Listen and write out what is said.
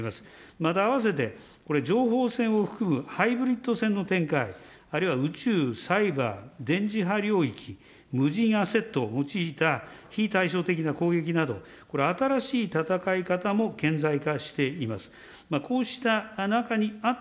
またあわせて、これ、情報戦を含むハイブリッド戦の展開、あるいは宇宙、サイバー、電磁波領域、無人アセットを用いた非たいしょう的な攻撃などこれ、新しい戦い方も顕在化しています。